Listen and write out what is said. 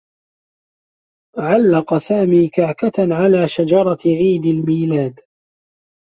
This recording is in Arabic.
علّق سامي كعكة على شجرة عيد الميلاد.